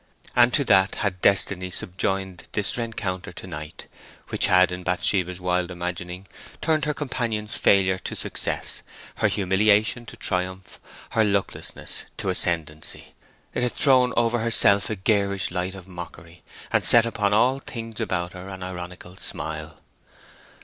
And to that had destiny subjoined this reencounter to night, which had, in Bathsheba's wild imagining, turned her companion's failure to success, her humiliation to triumph, her lucklessness to ascendency; it had thrown over herself a garish light of mockery, and set upon all things about her an ironical smile.